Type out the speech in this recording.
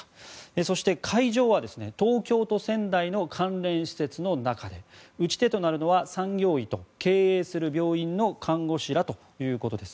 そして、会場は東京と仙台の関連施設の中で打ち手となるのは産業医と経営する病院の看護師らということです。